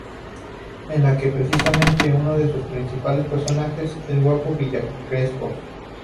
En la que precisamente uno de sus principales personajes es el Guapo Villa Crespo.